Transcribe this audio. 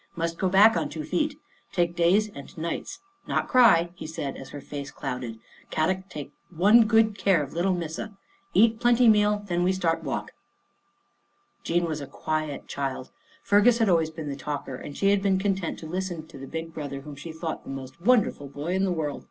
Must go back on two feet. Take days and nights. Not cry," he said as her face clouded. " Kadok take one good care of little Missa. Eat plenty meal, then we start walk." 'Yes. jean Finds a Friend 79 Jean was a quiet child. Fergus had always been the talker and she had been content to listen to the big brother whom she thought the most wonderful boy in the world.